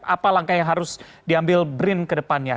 apa langkah yang harus diambil brin ke depannya